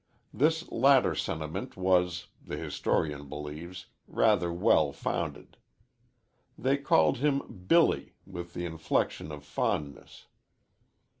This latter sentiment was, the historian believes, rather well founded. They called him "Billy," with the inflection of fondness.